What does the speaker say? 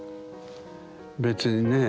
別にね